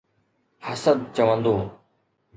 حسد چوندو.